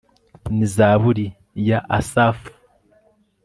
ni zaburi ya asafu